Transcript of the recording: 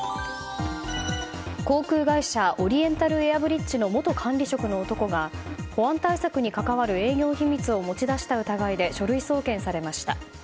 航空会社オリエンタルエアブリッジの元管理職の男が保安対策に関わる営業秘密を持ち出した疑いで書類送検されました。